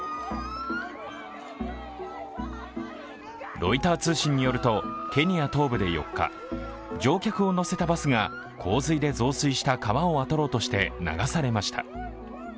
ロイター通信によるとケニア東部で４日、乗客を乗せたバスが洪水で増水した川を渡ろうとして流されました。